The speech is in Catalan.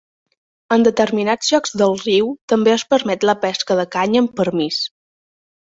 En determinats llocs del riu, també es permet la pesca de canya amb permís.